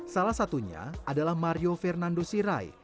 salah satunya adalah mario fernando sirai